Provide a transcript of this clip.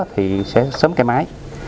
thì sẽ sớm cái máy